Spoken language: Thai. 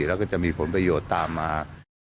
แล้วก็จะมีผลประโยชน์ตามมา